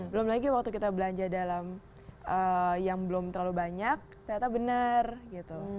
belum lagi waktu kita belanja dalam yang belum terlalu banyak ternyata benar gitu